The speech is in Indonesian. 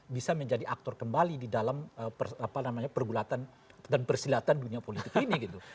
bisa menjadi aktor kembali di dalam pergulatan dan persilatan dunia politik ini gitu